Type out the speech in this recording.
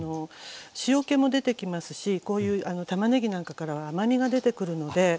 塩気も出てきますしこういうたまねぎなんかからは甘みが出てくるので。